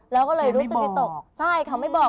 แล้วก็เลยรู้สึกที่ตก